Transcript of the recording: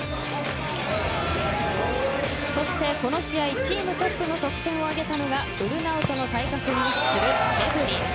そして、この試合チームトップの得点を挙げたのがウルナウトの対角に位置するチェブリ。